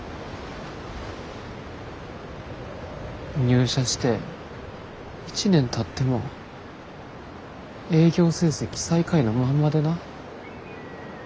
入社して１年たっても営業成績最下位のまんまでな。